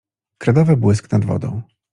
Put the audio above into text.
Kredowy błysk nad wodą.